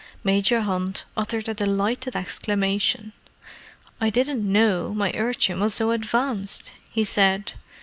Major Hunt uttered a delighted exclamation. "I didn't know my urchin was so advanced," he said.